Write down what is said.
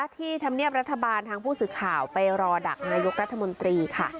ธรรมเนียบรัฐบาลทางผู้สื่อข่าวไปรอดักนายกรัฐมนตรีค่ะ